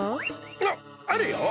あっあるよ。